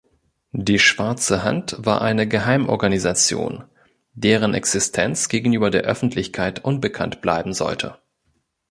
Die Schwarze Hand war eine Geheimorganisation, deren Existenz gegenüber der Öffentlichkeit unbekannt bleiben sollten.